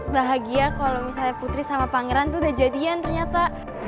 bahagia kalau misalnya putri sama pangeran tuh udah jadian ternyata